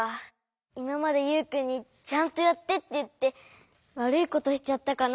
いままでユウくんに「ちゃんとやって」って言ってわるいことしちゃったかな？